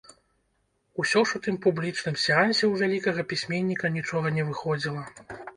Усё ж у тым публічным сеансе ў вялікага пісьменніка нічога не выходзіла.